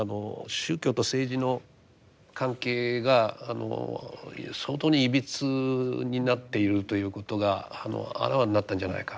宗教と政治の関係が相当にいびつになっているということがあらわになったんじゃないか。